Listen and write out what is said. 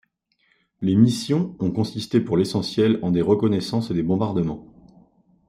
Les missions ont consisté pour l'essentiel en des reconnaissances et des bombardements.